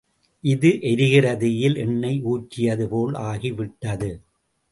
இது எரிகிற தீயில் எண்ணெய் ஊற்றியதுபோல் ஆகிவிட்டது.